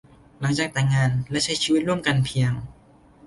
หลังจากแต่งงานและใช้ชีวิตร่วมกันเพียง